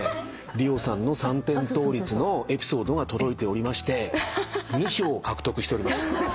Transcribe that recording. ＲＩＯさんの三点倒立のエピソードが届いておりまして２票獲得しております。